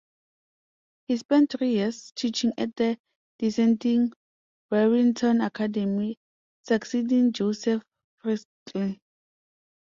He spent three years teaching at the Dissenting Warrington Academy, succeeding Joseph Priestley.